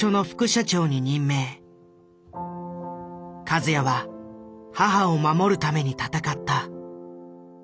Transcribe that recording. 和也は母を守るために闘った。